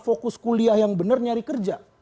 fokus kuliah yang benar nyari kerja